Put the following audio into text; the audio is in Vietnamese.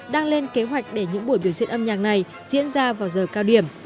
đang lên kế hoạch để những buổi biểu diễn âm nhạc này diễn ra vào giờ cao điểm